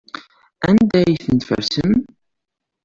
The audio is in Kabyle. Anda ay ten-id-tfarsem?